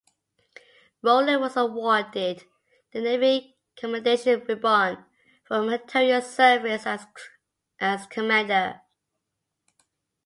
Roland was awarded the Navy Commendation Ribbon for meritorious service as commander.